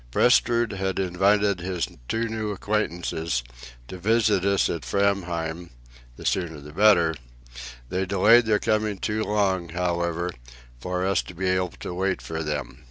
Prestrud had invited his two new acquaintances to visit us at Framheim, the sooner the better; they delayed their coming too long, however, for us to be able to wait for them.